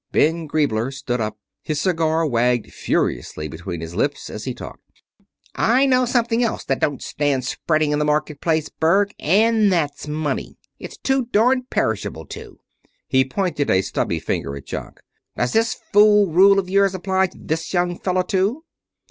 Ben Griebler stood up. His cigar waggled furiously between his lips as he talked. "I know something else that don't stand spreading in the market place, Berg. And that's money. It's too darned perishable, too." He pointed a stubby finger at Jock. "Does this fool rule of yours apply to this young fellow, too?"